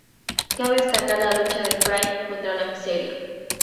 Cabe destacar la lucha de "Fray" contra la miseria.